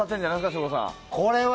省吾さん。